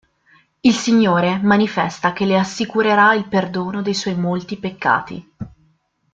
Il Signore manifesta che le assicurerà il perdono dei suoi molti peccati.